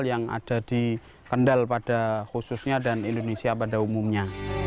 yang ada di kendal pada khususnya dan indonesia pada umumnya